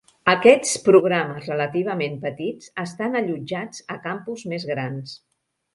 Aquests programes relativament petits estan allotjats a campus més grans.